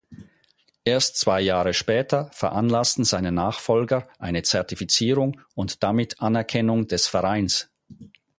Erst zwei Jahre später veranlassten seine Nachfolger eine Zertifizierung und damit Anerkennung des Vereins.